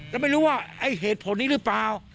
แล้วไม่รู้ว่าไอ้เหตุผลนี้หรือเปล่า